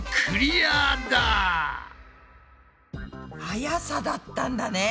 はやさだったんだね。